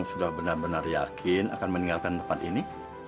sudah benar benar yakin akan meninggalkan tempat ini